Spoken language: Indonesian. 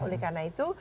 oleh karena itu